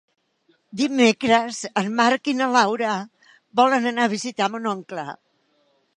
Dimecres en Marc i na Laura volen anar a visitar mon oncle.